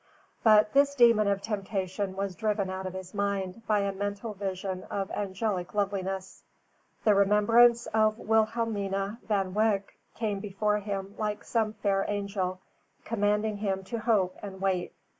But this demon of temptation was driven out of his mind by a mental vision of angelic loveliness. The remembrance of Wilhelmina Van Wyk came before him like some fair angel, commanding him to hope and wait.